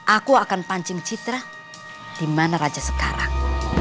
aku akan pancing citra di mana raja sekarang